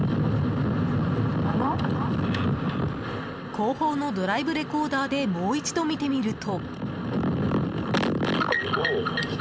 後方のドライブレコーダーでもう一度見てみると。